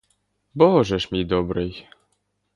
Боже ж мій добрий!